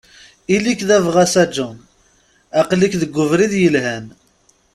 Ili-k d abɣas a Jean, aql-ik deg ubrid yelhan.